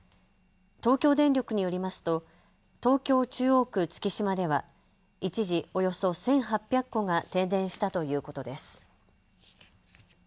東京電力によりますと東京中央区月島では一時、およそ１８００戸が停電したということです。